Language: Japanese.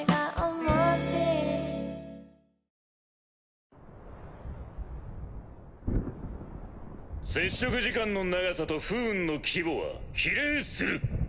ゴロゴロゴロ接触時間の長さと不運の規模は比例する。